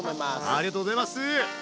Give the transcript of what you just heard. ありがとうございます！